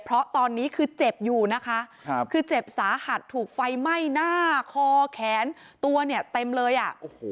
เพราะตอนนี้คือเจ็บอยู่นะคะคือเจ็บสาหัสถูกไฟไหม้หน้าคอแขนตัวเนี่ยเต็มเลยอ่ะโอ้โห